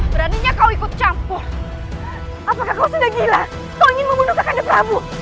beraninya kau ikut campur apakah kau sudah gila kau ingin membunuh terhadap labu